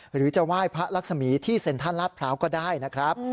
หรือจะไหว้พระลักษมีที่เซ็นทรัลลาดพร้าวก็ได้นะครับ